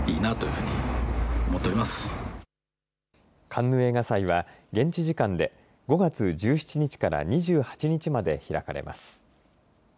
カンヌ映画祭は現地時間で５月１７日から２８日まで開かれます。